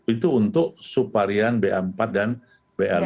itu untuk subvarian ba empat dan ba lima